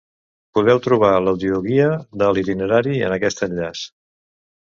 Podeu trobar l’audioguia de l’itinerari en aquest enllaç.